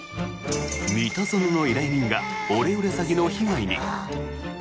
三田園の依頼人がオレオレ詐欺の被害に。